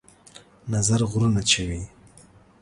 نظر غرونه چوي